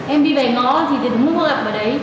em đi về ngõ thì đúng không gặp ở đấy